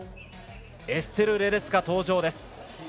エステル・レデツカ、登場です。